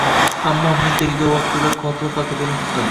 Ammo men tergov vaqtida qotil haqida unutdim